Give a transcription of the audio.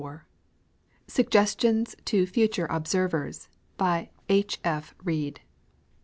SUGGESTIONS TO FUTURE OBSEEVERS. By H. F. REID.